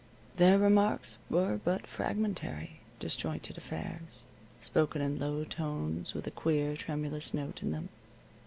Their remarks were but fragmentary, disjointed affairs, spoken in low tones with a queer, tremulous note in them.